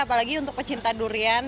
apalagi untuk pecinta durian